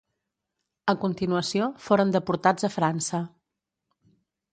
A continuació, foren deportats a França.